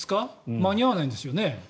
間に合わないんですよね。